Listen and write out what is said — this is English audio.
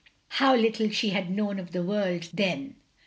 How little she had known of the world then!